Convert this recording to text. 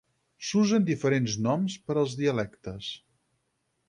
S'usen diferents noms per als dialectes.